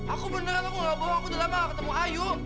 aku beneran aku nggak bohong udah lama nggak ketemu ayu